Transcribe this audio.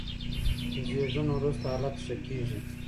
د زېږون وروسته حالت ښه کېږي.